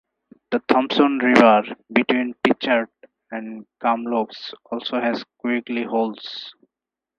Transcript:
The Thompson river between Pritchard and Kamloops also has quiggly holes.